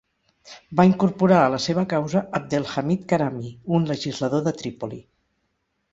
Va incorporar a la seva causa Abdel-Hamid Karami, un legislador de Trípoli.